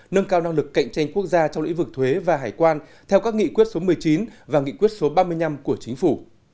nâng cao năng lực cạnh tranh quốc gia trong lĩnh vực thuế và hải quan theo các nghị quyết số một mươi chín và nghị quyết số ba mươi năm của chính phủ